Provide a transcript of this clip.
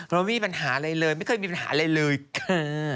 ไม่มีปัญหาอะไรเลยไม่เคยมีปัญหาอะไรเลยคือ